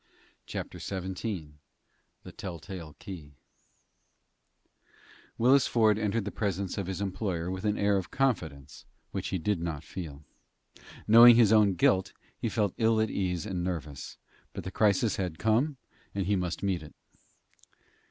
CHAPTER XVII THE TELLTALE KEY Willis Ford entered the presence of his employer with an air of confidence which he did not feel. Knowing his own guilt, he felt ill at ease and nervous; but the crisis had come and he must meet it.